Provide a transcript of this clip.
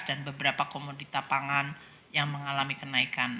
dan beberapa komoditas pangan yang mengalami kenaikan